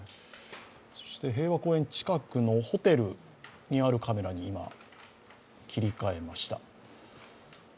平和公園近くのホテルにあるカメラに今切り替えました。